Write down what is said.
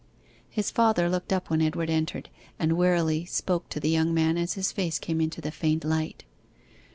His father looked up when Edward entered, and wearily spoke to the young man as his face came into the faint light.